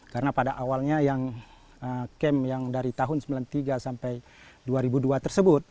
karena pada awalnya yang dari tahun seribu sembilan ratus sembilan puluh tiga sampai dua ribu dua tersebut